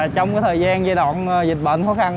trong thời gian giai đoạn dịch bệnh khó khăn